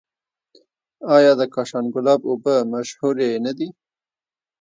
آیا د کاشان ګلاب اوبه مشهورې نه دي؟